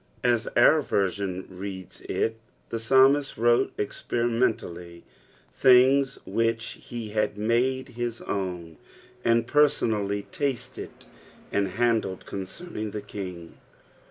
Aa our Tersion reads it, the psalmist wrote ei iieriroentally things which he had made liis own, and personally tasted and handled concerning the King.